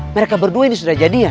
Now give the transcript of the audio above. mereka berdua ini sudah jadinya